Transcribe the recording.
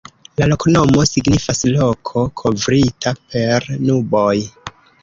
La loknomo signifas: "Loko kovrita per nuboj".